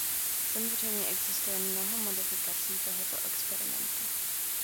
Samozřejmě existuje mnoho modifikací tohoto experimentu.